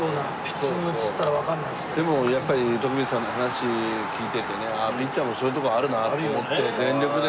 でもやっぱり徳光さんの話聞いててねピッチャーもそういうとこあるなと思って全力で。